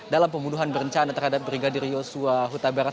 dalam pembunuhan berencana terhadap brigadir yosua huta barat